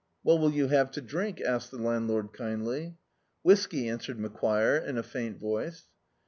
"What wilt you have to drink?" asked the landlord kindly. "Whisky," answered Macquire, in a faint voice.